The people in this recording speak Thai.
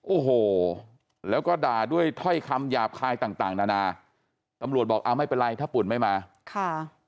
โอ้โหแล้วก็ด่าด้วยถ้อยคำหยาบคายต่างต่างนานาตำรวจบอกเอาไม่เป็นไรถ้าปุ่นไม่มาค่ะ